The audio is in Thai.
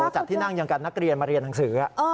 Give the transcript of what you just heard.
จัดที่นั่งอย่างกับนักเรียนมาเรียนหนังสือ